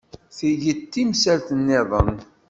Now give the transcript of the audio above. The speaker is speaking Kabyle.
Tigi d timsal-nniḍen.